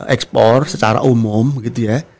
ekspor secara umum gitu ya